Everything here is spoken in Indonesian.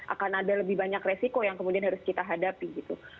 akan ada lebih banyak resiko yang kemudian harus kita hadapi gitu